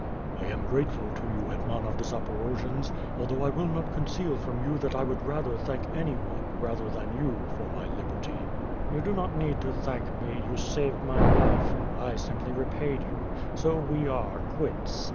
"I am grateful to you, Hetnian of the Zaporojians, although I will not conceal from you that I would rather thank anyone rather than you for my lil)erty." "You do not need to thank me, you saved my life, I have simply repaid you. So we are quits.